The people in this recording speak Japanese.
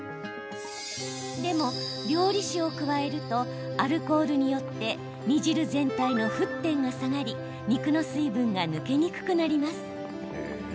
でも料理酒を加えるとアルコールによって煮汁全体の沸点が下がり肉の水分が抜けにくくなります。